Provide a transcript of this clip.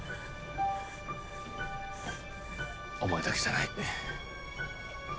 お前だけじゃない。